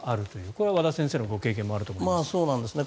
これは和田先生のご経験もあると思いますが。